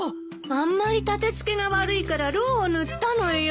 あんまり立て付けが悪いからろうを塗ったのよ。